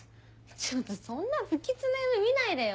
ちょっとそんな不吉な夢見ないでよ。